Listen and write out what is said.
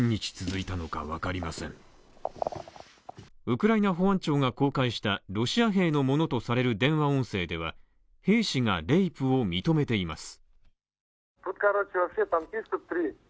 ウクライナ保安庁が公開したロシア兵のものとされる電話音声では兵士がレイプを認めています。